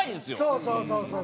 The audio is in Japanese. そうそうそうそう！